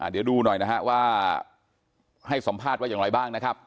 เดี๋ยวดูหน่อยนะฮะว่าให้สัมภาษณ์ว่าอย่างไรบ้างนะครับ